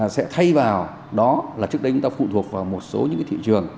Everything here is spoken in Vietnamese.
sẽ thay vào đó là trước đây chúng ta phụ thuộc vào một số những thị trường